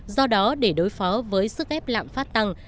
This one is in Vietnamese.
do đó để đối phó với sức ép lạm phát tăng